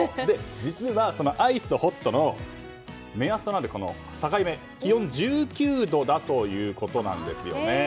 実は、そのアイスとホットの目安となる境目は気温１９度だということなんです。